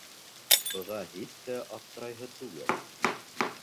— Быға һис тә аптырайһы түгел.